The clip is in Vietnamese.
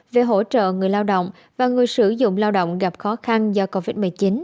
về hỗ trợ người lao động và người sử dụng lao động gặp khó khăn do covid một mươi chín